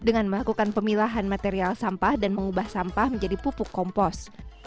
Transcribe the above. dengan melakukan pemilahan material sampah dan mengubah sampah menjadi pupuk kompos